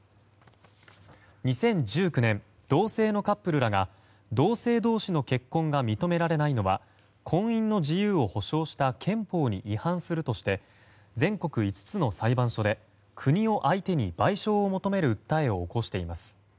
２０１９年、同性のカップルらが同性同士の結婚が認められないのは婚姻の自由を保障した憲法に違反するとして全国５つの裁判所で国を相手に賠償を求める訴えを起こしています。